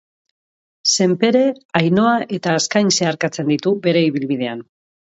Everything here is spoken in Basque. Senpere, Ainhoa eta Azkaine zeharkatzen ditu bere ibilbidean.